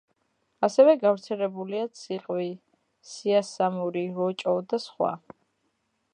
ასევე გავრცელებულია: ციყვი, სიასამური, როჭო და სხვა.